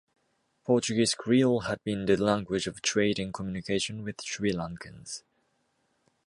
Portuguese Creole had been the language of trade and communication with Sri Lankans.